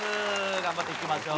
頑張っていきましょう。